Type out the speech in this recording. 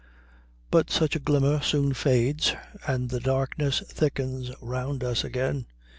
But such a glimmer soon fades, and the darkness thickens round us again.